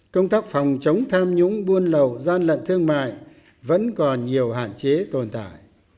công tác phòng chống tham nhũng buôn lậu gian lận thương mại vẫn còn nhiều hạn chế tồn tại